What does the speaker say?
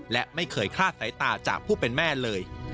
และไม่เคยคลาดสายตาจากผู้เป็นแม่เลย